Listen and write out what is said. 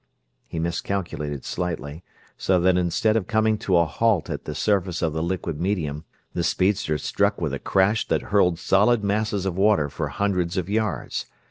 He miscalculated slightly, so that instead of coming to a halt at the surface of the liquid medium the speedster struck with a crash that hurled solid masses of water for hundreds of yards.